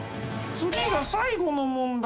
次が最後の問題。